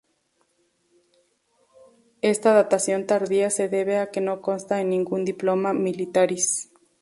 Esta datación tardía se debe a que no consta en ningún "diploma militaris".